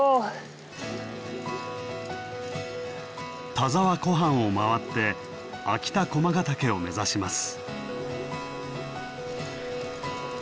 田沢湖畔を回って秋田駒ヶ岳を目指します。